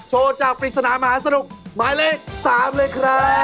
โชว์จากปริศนามหาสนุกหมายเลข๒